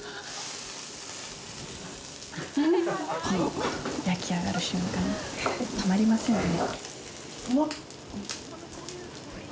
この焼き上がる瞬間、たまりませんね。